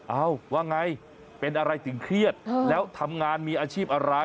เอ้าว่าไงเป็นอะไรถึงเครียดแล้วทำงานมีอาชีพอะไร